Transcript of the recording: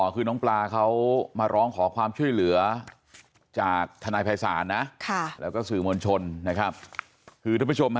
คือน้องปลาเขามาร้องขอความช่วยเหลือ